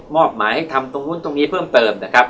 อบหมายให้ทำตรงนู้นตรงนี้เพิ่มเติมนะครับ